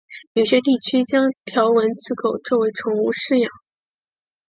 有些地区将条纹鬣狗作为宠物饲养。